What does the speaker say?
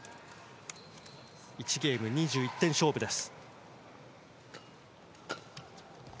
１ゲーム、２１点勝負です。